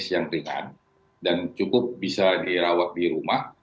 sekarang ini lebih klinis yang ringan dan cukup bisa dirawat di rumah